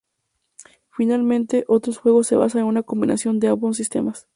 Finalmente, otros juegos se basan en una combinación de ambos sistemas.